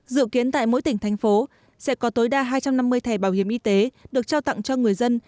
dự kiến tại mỗi tỉnh thành phố sẽ có tối đa hai trăm năm mươi thẻ bảo hiểm y tế được trao tặng cho người dân